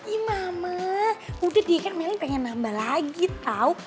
iya mama udah dikit mbak mbak ingin nambah lagi tau